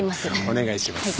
お願いします。